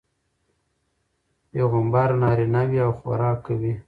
پيغمبر نارينه وي او خوراک کوي